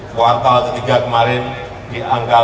kuartal ketiga kemarin di angka lima tujuh puluh dua